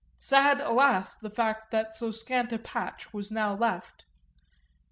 Sad alas the fact that so scant a patch was now left.